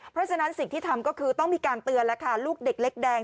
เพราะฉะนั้นสิ่งที่ทำก็คือต้องมีการเตือนแล้วค่ะลูกเด็กเล็กแดง